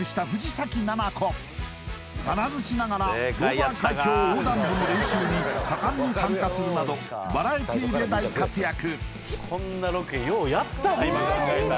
カナヅチながらドーバー海峡横断部の練習に果敢に参加するなどバラエティで大活躍